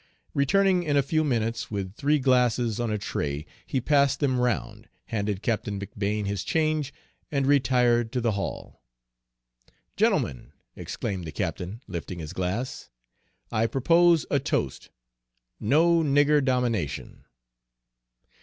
Returning in a few minutes with three glasses on a tray, he passed them round, handed Captain McBane his change, and retired to the hall. "Gentlemen," exclaimed the captain, lifting his glass, "I propose a toast: 'No nigger domination.'"